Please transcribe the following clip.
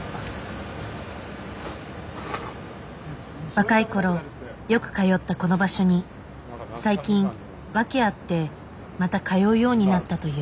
若い頃よく通ったこの場所に最近訳あってまた通うようになったという。